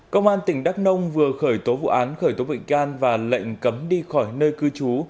công an tỉnh đắk nông vừa khởi tố vụ án khởi tố bị can và lệnh cấm đi khỏi nơi cư trú